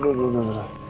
aduh aduh aduh